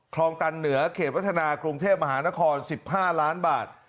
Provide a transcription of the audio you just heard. คลองตันเหนือเขตวัฒนากรุงเทพมหานคร๑๕ล้านบาท